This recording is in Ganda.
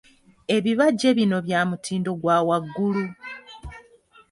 Ebibajje bino bya mutindo gwa waggulu.